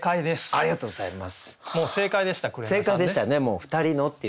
ありがとうございます。